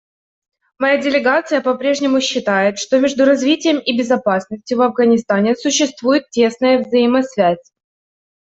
Моя делегация попрежнему считает, что между развитием и безопасностью в Афганистане существует тесная взаимосвязь.